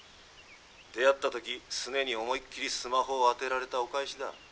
「出会った時スネに思いっきりスマホを当てられたお返しだ」。